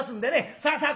さあさあ